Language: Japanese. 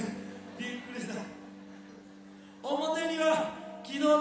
びっくりした。